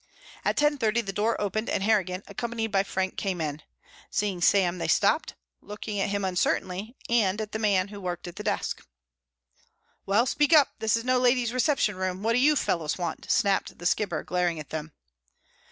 At ten thirty the door opened and Harrigan, accompanied by Frank, came in. Seeing Sam they stopped, looking at him uncertainly, and at the man at work at the desk. "Well, speak up. This is no ladies' reception room. What do you fellows want?" snapped The Skipper, glaring at them.